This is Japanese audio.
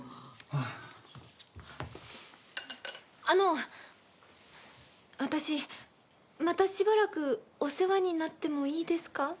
あの私またしばらくお世話になってもいいですか？